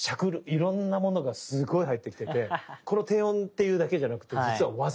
いろんなものがすごい入ってきててこの低音っていうだけじゃなくて実は技としてすごく多い。